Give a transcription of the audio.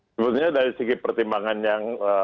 sebetulnya dari segi pertimbangan yang